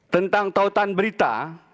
tentang tautan berita